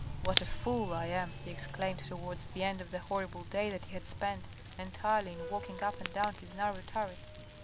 " What a fool I am," he exclaimed, towards the end of the horrible day that he had spent entirely in walking up and down his narrow turret.